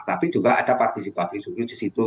tapi juga ada partisipasi publik disitu